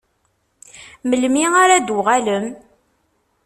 Melmi ara d-tuɣalem?